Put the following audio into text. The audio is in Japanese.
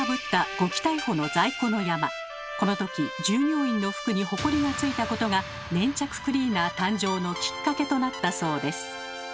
このとき従業員の服にホコリがついたことが粘着クリーナー誕生のきっかけとなったそうです。